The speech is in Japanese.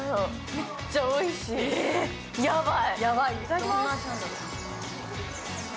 めっちゃおいしい、ヤバい。